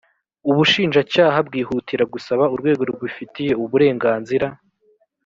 ubushinjacyaha bwihutira gusaba urwego rubifitiye uburenganzira